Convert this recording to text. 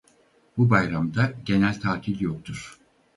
Bu bayramda genel tatil yoktur.